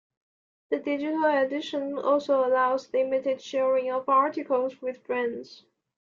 The digital edition also allows limited sharing of articles with friends.